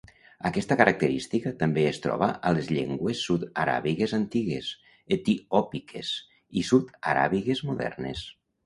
Aquesta característica també es troba a les llengües sud-aràbigues antigues, etiòpiques i sud-aràbigues modernes.